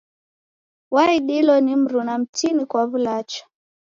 Waidilo ni mruna mtini kwa w'ulacha.